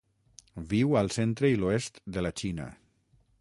Viu al centre i l'oest de la Xina.